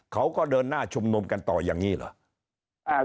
เขาก็เดินหน้าชุมนุมกันต่ออย่างนี้เหรอ